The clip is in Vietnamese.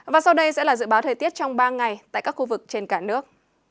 và sau đây sẽ là dự báo thời tiết trong ba ngày tại các khu vực trên cả nước